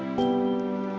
ada di dalam kalung ini